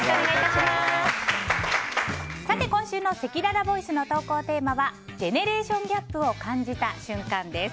今週のせきららボイスの投稿テーマはジェネレーションギャップを感じた瞬間です。